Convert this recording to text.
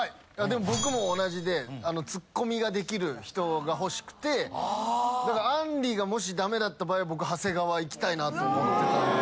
僕も同じでツッコミができる人が欲しくてだからあんりがもし駄目だった場合は僕長谷川いきたいなと思ってたんで。